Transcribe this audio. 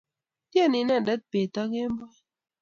Tyenei inendet peet ak kemboi